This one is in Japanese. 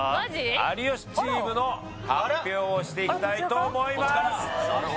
有吉チームの発表をしていきたいと思います